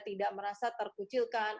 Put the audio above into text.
tidak merasa terkucilkan